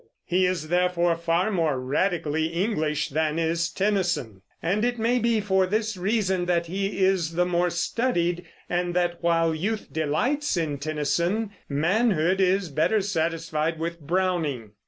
He is, therefore, far more radically English than is Tennyson; and it may be for this reason that he is the more studied, and that, while youth delights in Tennyson, manhood is better satisfied with Browning.